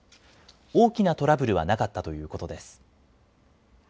大きなトラブルはなかったということです。